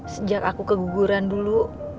sejak aku keguguran dulu